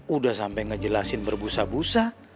udah sampai ngejelasin berbusa busa